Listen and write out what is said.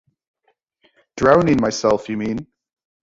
Drowning myself, you mean?